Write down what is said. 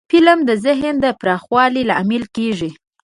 فلم د ذهن پراخوالي لامل کېږي